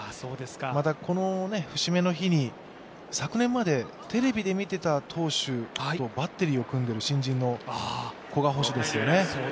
また、この節目の日に、昨年までテレビで見ていた投手とバッテリーを組んでいる新人の古賀捕手ですよね。